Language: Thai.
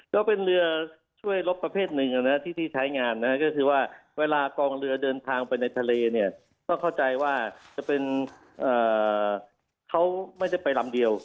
ก็เป็นเรือช่วยรบประเภทหนึ่งที่ใช้งานนะก็คือว่าเวลากองเรือเดินทางไปในทะเลเนี่ยต้องเข้าใจว่าจะเป็นเขาไม่ได้ไปลำเดียว